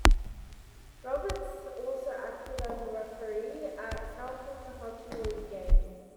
Roberts also acted as a referee at California Hockey League games.